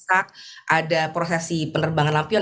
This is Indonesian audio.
ada prosesi penerbangan lampion